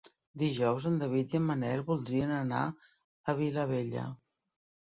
Dijous en David i en Manel voldrien anar a Vilabella.